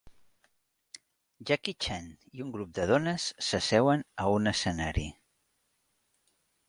Jackie Chan i un grup de dones s'asseuen a un escenari